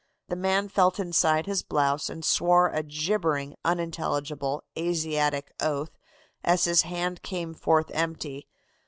The man felt inside his blouse and swore a gibbering, unintelligible Asiatic oath as his hand came forth empty.